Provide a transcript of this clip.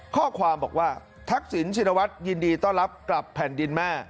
ข้อความบอกว่าทักษิณชินวัฒน์ยินดีต้อนรับกลับแผ่นดินแม่